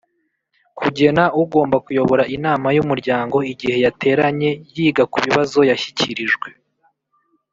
kugena ugomba kuyobora inama y’umuryango igihe yateranye yiga ku bibazo yashyikirijwe